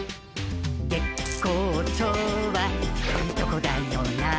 「月光町はいいとこだよな」